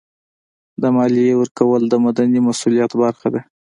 د مالیې ورکول د مدني مسؤلیت برخه ده.